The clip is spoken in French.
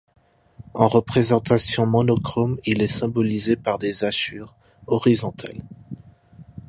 En représentation monochrome, il est symbolisé par des hachures horizontales.